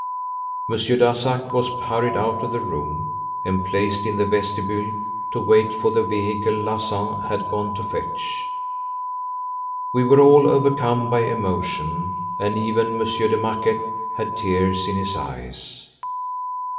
Monsieur Darzac was hurried out of the room and placed in the vestibule to wait for the vehicle Larsan had gone to fetch. We were all overcome by emotion and even Monsieur de Marquet had tears in his eyes.